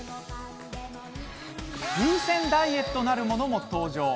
風船ダイエットなるものも登場。